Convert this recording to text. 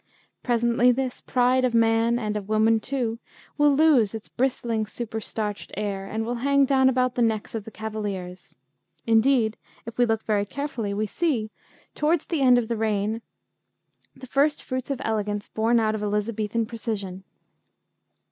Presently this pride of man, and of woman too, will lose its bristling, super starched air, and will hang down about the necks of the cavaliers; indeed, if we look very carefully, we see towards the end of the reign the first fruits of elegance born out of Elizabethan precision.